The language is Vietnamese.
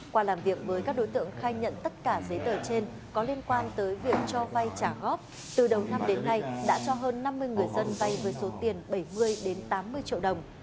qua làm việc với các đối tượng khai nhận tất cả giấy tờ trên có liên quan tới việc cho vay trả góp từ đầu năm đến nay đã cho hơn năm mươi người dân vay với số tiền bảy mươi tám mươi triệu đồng